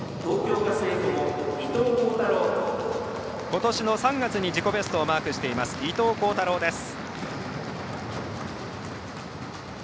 ことしの３月に自己ベストをマークしています伊藤孝太郎です。